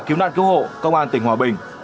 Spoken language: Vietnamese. cứu nạn cứu hộ công an tỉnh hòa bình